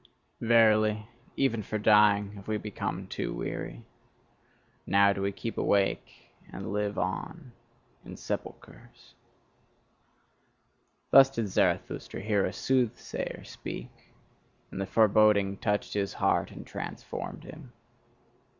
Verily, even for dying have we become too weary; now do we keep awake and live on in sepulchres." Thus did Zarathustra hear a soothsayer speak; and the foreboding touched his heart and transformed him.